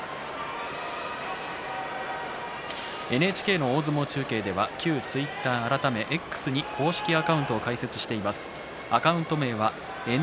ＮＨＫ大相撲中継では旧ツイッター改めＸに公式アカウントを開設しています。